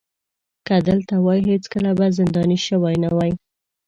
که دلته وای هېڅکله به زنداني شوی نه وای.